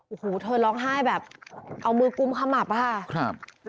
โอ้โหเธอร้องไห้แบบเอามือกุ้มขมับป่ะ